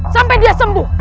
sampai dia sembuh